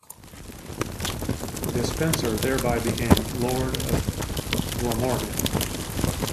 Despenser thereby became Lord of Glamorgan.